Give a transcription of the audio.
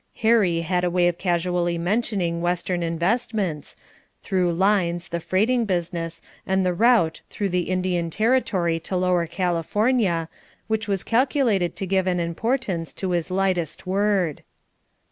Harry had a way of casually mentioning western investments, through lines, the freighting business, and the route through the Indian territory to Lower California, which was calculated to give an importance to his lightest word.